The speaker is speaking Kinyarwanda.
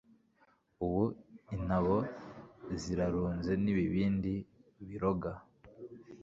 ubu intabo zirarunze ibibindi biroga